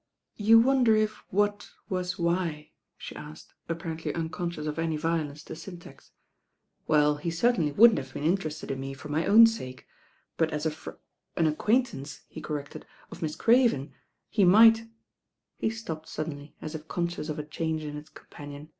"You wonder if what wat why?" the atked, apparently uncontdout of any violence to tyntax. ^ "Well, he certainly wouldn't have been interetted m me for my own take ; but at a fr an acquain tance," he corrected, "of Mitt Craven, he might —— He ttopped tuddenly at if contciout of a change m hit companion.